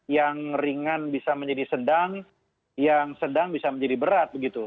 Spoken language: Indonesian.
yang ringan bisa menjadi sedang yang sedang bisa menjadi berat begitu